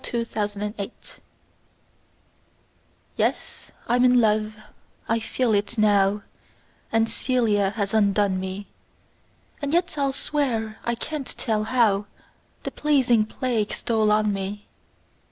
Y Z The Je Ne Scai Quoi YES, I'm in love, I feel it now, And Cælia has undone me; And yet I'll swear I can't tell how The pleasing plague stole on me.